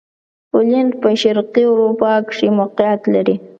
پولېنډ په شرقي اروپا کښې موقعیت لري.